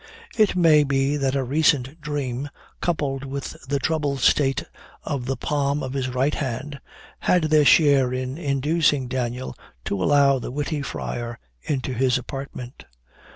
It may be that a recent dream, coupled with the troubled state of the palm of his right hand, had their share in inducing Daniel to allow the witty friar into his apartment.